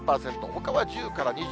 ほかは１０から２０。